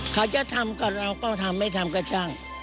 เขาจะทำกับเราก็ทำไม่ทำก็ช่าง